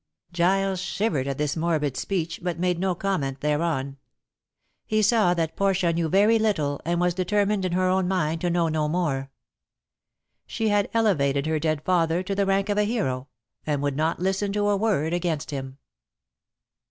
Giles shivered at this morbid speech, but made no comment thereon. He saw that Portia knew very little, and was determined in her own mind to know no more. She had elevated her dead father to the rank of a hero, and would not listen to a word against him.